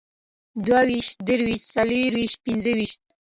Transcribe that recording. دوهويشت، دريويشت، څلرويشت، پينځهويشت